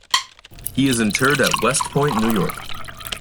He is interred at West Point, New York.